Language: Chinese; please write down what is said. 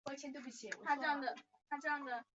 故事主角史密斯亦称思想罪是唯一可怕的罪恶。